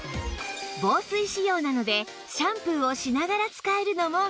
防水仕様なのでシャンプーをしながら使えるのも魅力